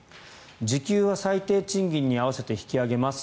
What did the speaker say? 時給は最低賃金に合わせて引き上げます。